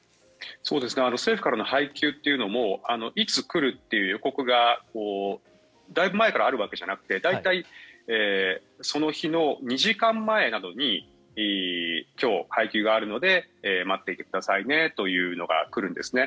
政府からの配給というのもいつ来るという予告がだいぶ前からあるわけじゃなくて大体その日の２時間前などに今日、配給があるので待っていてくださいねというのが来るんですね。